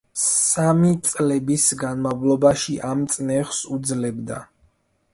სამი წლების განმავლობაში ამ წნეხს უძლებდა.